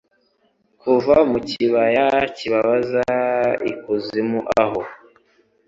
kuva mu kibaya kibabaza ikuzimu aho